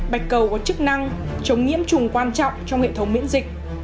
bạch cầu có chức năng chống nhiễm trùng quan trọng trong hệ thống miễn dịch